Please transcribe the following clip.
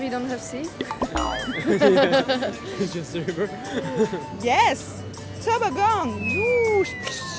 ใช่สามารถ